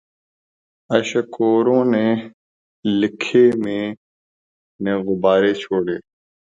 اشک اوروں نے لکھے مَیں نے غبارے چھوڑے